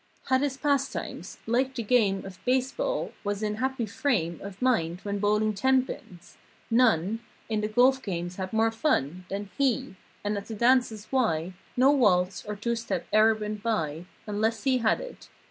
Had his pastimes. Liked the game Of base ball. Was in happy frame Of mind when bowling ten pins. None In the golf games had more fun Than he. And at the dances why No waltz, or two step e'er went by Unless he had it.